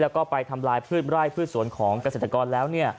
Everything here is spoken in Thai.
แล้วก็ไปทำลายพืชไร่พืชสวนของเกษตรกรแล้ว